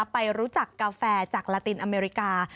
ไปรู้จักกาแฟจากลาตินอเมริกา